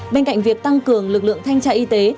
bên cạnh việc tăng cường lực lượng thanh tra y tế